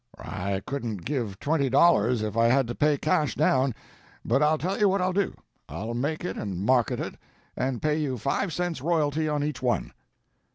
"I couldn't give twenty dollars, if I had to pay cash down; but I'll tell you what I'll do. I'll make it and market it, and pay you five cents royalty on each one."